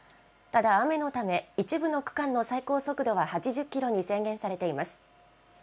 ただ雨のため、一部の区間の最高速度は８０キロに制限されています。